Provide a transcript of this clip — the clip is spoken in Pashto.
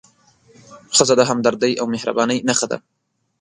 ښځه د همدردۍ او مهربانۍ نښه ده.